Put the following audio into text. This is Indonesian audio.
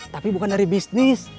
tapi bukan dari bisnis